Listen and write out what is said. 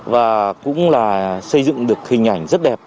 và cũng là xây dựng được hình ảnh rất đẹp